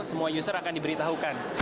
semua user akan diberitahukan